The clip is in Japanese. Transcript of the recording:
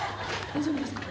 大丈夫ですか？